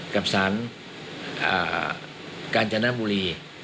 กับสารการจน้ำบุรี